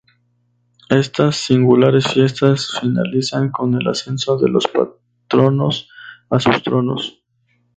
Estas singulares fiestas finalizan con el ascenso de los patronos a sus tronos.